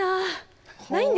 ないんですか？